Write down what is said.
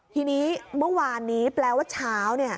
ทีนี้เมื่อวานนี้แปลว่าเช้า